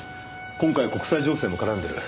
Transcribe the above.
今回は国際情勢も絡んでる。